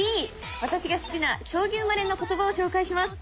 私が好きな将棋生まれの言葉を紹介します。